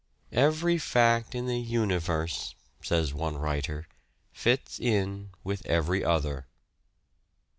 " Every fact in the universe," says one writer, " fits in with every other."